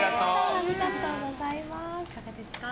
いかがですか？